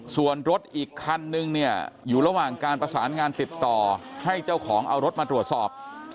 ส่วนรถอีกคันนึงเนี่ยอยู่ระหว่างการประสานงานติดต่อให้เจ้าของเอารถมาตรวจสอบ